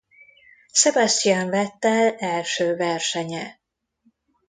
Sebastian Vettel első versenye.